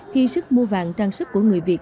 khi sức mua vàng trang sức của người việt